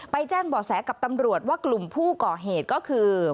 แจ้งบ่อแสกับตำรวจว่ากลุ่มผู้ก่อเหตุก็คือ